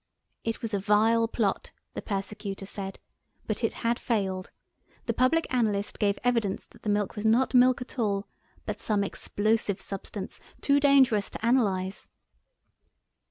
It was a vile plot, the Persecutor said, but it had failed. The Public Analyst gave evidence that the milk was not milk at all, but some explosive substance too dangerous to analyse.